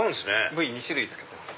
部位２種類使ってます。